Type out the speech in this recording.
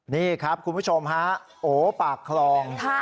นี่ครับคุณผู้ชมฮะโอ้ปากคลอง